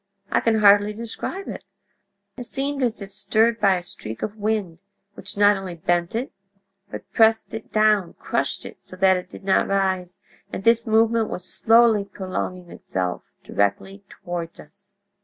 I can hardly describe it. It seemed as if stirred by a streak of wind, which not only bent it, but pressed it down—crushed it so that it did not rise, and this movement was slowly prolonging itself directly toward us.